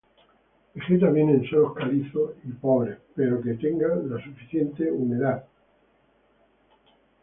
Vegeta bien en suelos calizos y pobres, pero que tenga la humedad suficiente.